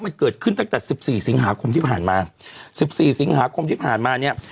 มันเกิดขึ้นตั้งแต่สิบสี่สิงหาคมที่ผ่านมาสิบสี่สิงหาคมที่ผ่านมาเนี่ย